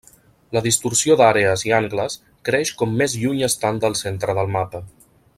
La distorsió d'àrees i angles creix com més lluny estan del centre del mapa.